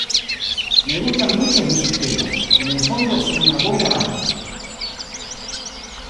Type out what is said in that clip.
Me gustan muchos de sus temas, en el fondo son una buena banda"..